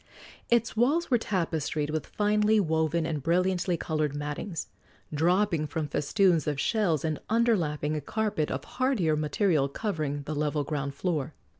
Its walls were tapestried with finely woven and brilliantly colored mattings, dropping from festoons of shells and underlapping a carpet of hardier material covering the level ground floor.